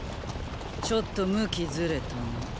ちょっと向きズレたな。